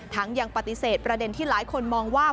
ยังปฏิเสธประเด็นที่หลายคนมองว่า